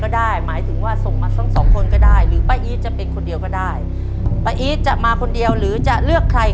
ได้รับเงินทุนไปต่อชีวิต๑หมื่นบาท